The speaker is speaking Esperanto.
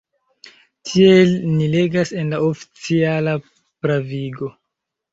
Tiel ni legas en la oficiala pravigo.